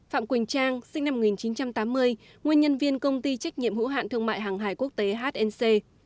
phạm quỳnh trang sinh năm một nghìn chín trăm tám mươi nguyên nhân viên công ty trách nhiệm hữu hạn thương mại hàng hải quốc tế hnc